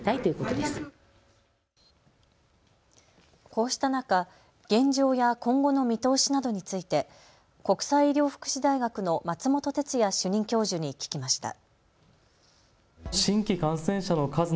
こうした中、現状や今後の見通しなどについて国際医療福祉大学の松本哲哉主任教授に聞きました。